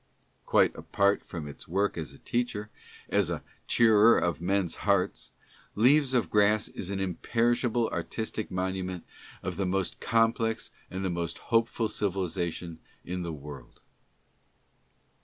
Quite apart from its work as a teacher, as a l 'cheerer of men's hearts," " Leaves of Grass " is an imperishable artistic monument of the most complex and the most hopeful civilization in the world.